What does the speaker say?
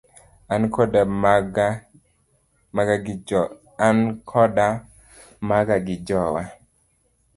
An koda maga gi jowa.